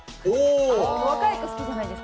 若い子、好きじゃないですか。